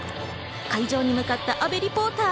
会場に向かった阿部リポーター。